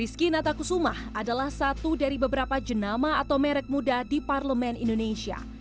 rizky natakusumah adalah satu dari beberapa jenama atau merek muda di parlemen indonesia